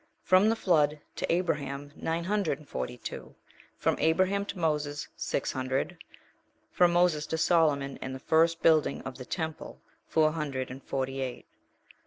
From the flood of Abraham, nine hundred and forty two. From Abraham to Moses, six hundred.* From Moses to Solomon, and the first building of the temple, four hundred and forty eight.